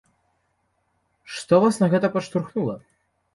Што вас на гэта падштурхнула?